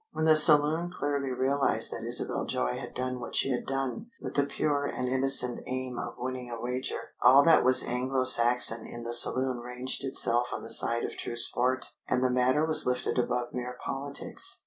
When the saloon clearly realised that Isabel Joy had done what she had done with the pure and innocent aim of winning a wager, all that was Anglo Saxon in the saloon ranged itself on the side of true sport, and the matter was lifted above mere politics.